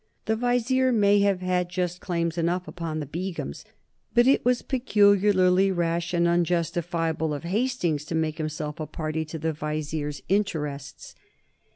The Vizier may have had just claims enough upon the Begums, but it was peculiarly rash and unjustifiable of Hastings to make himself a party to the Vizier's interests.